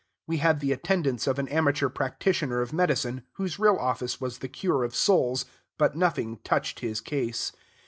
We had the attendance of an amateur practitioner of medicine, whose real office was the cure of souls, but nothing touched his case.